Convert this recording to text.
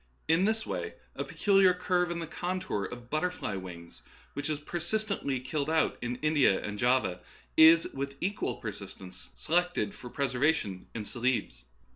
In this way a peculiar curve in the contour of butterflies' wings, which is per sistently killed out in India and Java, is with equal persistency selected for preservation in Celebes.